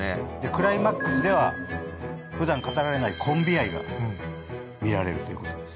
クライマックスではふだん語られないコンビ愛が見られるということです。